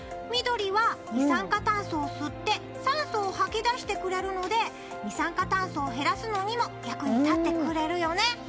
緑は二酸化炭素を吸って酸素を吐き出してくれるので二酸化炭素を減らすのにも役に立ってくれるよね。